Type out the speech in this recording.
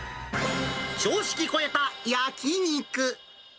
常識超えた焼き肉。